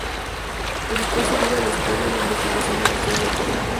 Dedicó su vida al estudio y la investigación de la historia del Perú.